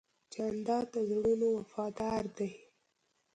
جانداد د زړونو وفادار دی.